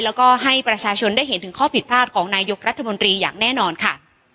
แล้วก็ให้ประชาชนได้เห็นถึงข้อผิดพลาดของนายกรัฐมนตรีอย่างแน่นอนค่ะ